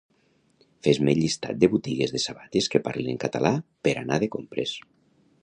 Fes-me llistat de botigues de sabates que parlin en català per anar de compres